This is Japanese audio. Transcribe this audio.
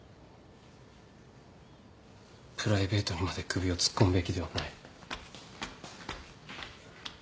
プライベートにまで首を突っ込むべきではない。